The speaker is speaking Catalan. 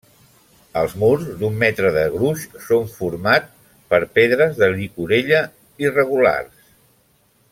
Els murs, d'un metre de gruix, són format per pedres de llicorella irregulars.